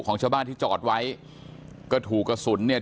ของชาวบ้านที่จอดไว้ก็ถูกกระสุนเนี่ย